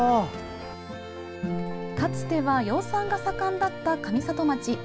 かつては養蚕が盛んだった上里町。